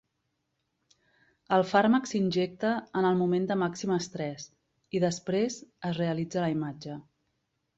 El fàrmac s'injecta en el moment de màxim estrès, i després es realitza la imatge.